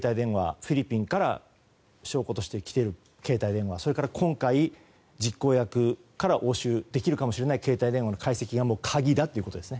フィリピンから証拠として来ている携帯電話それから今回、実行役から押収できるかもしれない携帯電話の解析が鍵だということですね。